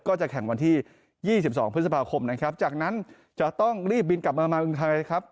ก็จะแข่งวันที่๒๒พฤษภาคมนะครับจากนั้นจะต้องรีบบินกลับมามาเมืองไทยครับ